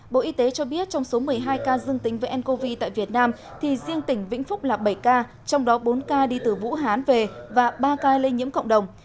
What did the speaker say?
bộ y tế cho biết trong số một mươi hai ca dương tính với ncov tại việt nam thì riêng tỉnh vĩnh phúc là bảy ca trong đó bốn ca đi từ vũ hán về và ba ca lây nhiễm cộng đồng